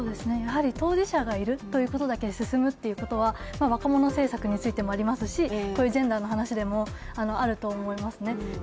当事者がいるということだけで進むということは、若者政策についてもありますし、ジェンダーの話でもあると思いますね。